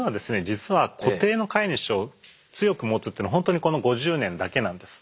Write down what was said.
実は固定の飼い主を強く持つっていうのは本当にこの５０年だけなんです。